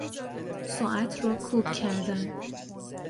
ساعت را کوک کردن